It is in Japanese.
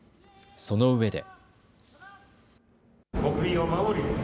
そのうえで。